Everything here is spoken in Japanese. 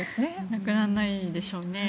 なくならないでしょうね。